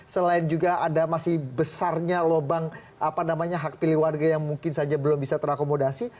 selain juga ada masih besarnya lubang apa namanya hak pilih warga yang mungkin saja belum bisa terakomodasi